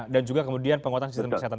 dan juga kemudian penguatan sistem kesehatan